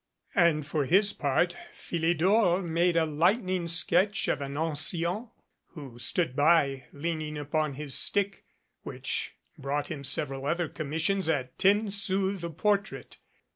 And for his part, Philidor made a light ning sketch of an ancien who stood by, leaning upon his stick, which brought him several other commissions at ten sous the portrait.